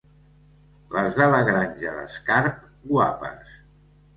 Les de la Granja d'Escarp, «guapes».